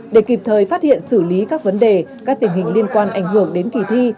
để kịp thời phát hiện xử lý các vấn đề các tình hình liên quan ảnh hưởng đến kỳ thi